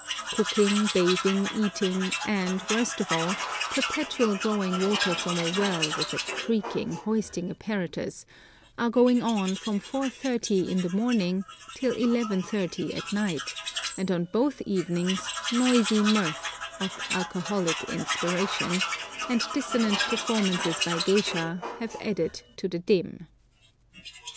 Cooking, bathing, eating, and, worst of all, perpetual drawing water from a well with a creaking hoisting apparatus, are going on from 4.30 in the morning till 11.30 at night, and on both evenings noisy mirth, of alcoholic inspiration, and dissonant performances by geishas have added to the din.